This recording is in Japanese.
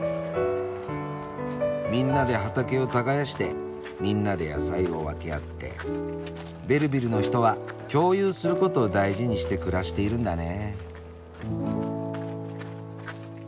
みんなで畑を耕してみんなで野菜を分け合ってベルヴィルの人は共有することを大事にして暮らしているんだね。